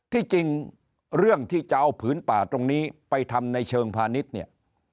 ที่จริงเรื่องที่จะเอาผืนป่าตรงนี้ไปทำในเชิงพาณิชย์เนี่ย